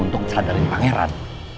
untuk sadarin pangeran